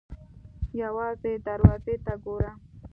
_ يوازې دروازې ته ګوره!